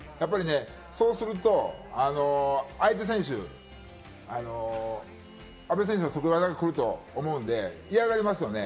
そうすると相手選手、阿部選手の得意技が来ると思うので嫌がりますよね。